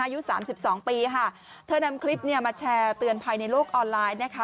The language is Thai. อายุสามสิบสองปีค่ะเธอนำคลิปเนี่ยมาแชร์เตือนภัยในโลกออนไลน์นะคะ